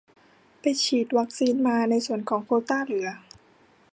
ไปฉีดวัคซีนมา ในส่วนของโควต้าเหลือ